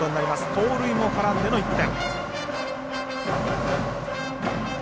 盗塁も絡んでの１点。